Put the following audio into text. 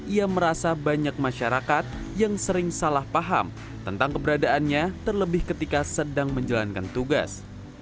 ia merasa banyak masyarakat yang sering salah paham tentang keberadaannya terlebih ketika sedang menjalankan tugas